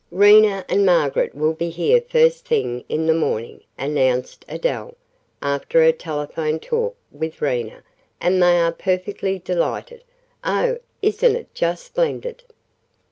"Rena and Margaret will be here first thing in the morning," announced Adele, after her telephone talk with Rena, "and they are perfectly delighted. Oh, isn't it just splendid!"